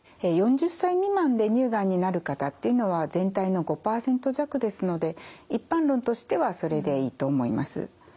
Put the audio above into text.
４０歳未満で乳がんになる方っていうのは全体の５％弱ですので一般論としてはそれでいいと思います。